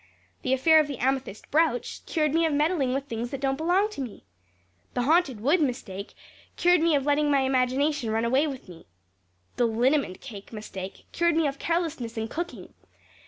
The affair of the amethyst brooch cured me of meddling with things that didn't belong to me. The Haunted Wood mistake cured me of letting my imagination run away with me. The liniment cake mistake cured me of carelessness in cooking.